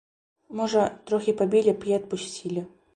Можа, трохі пабілі б і адпусцілі.